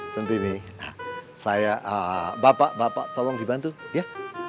centini saya bapak bapak tolong dibantu ya